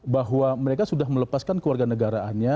bahwa mereka sudah melepaskan keluarga negaraannya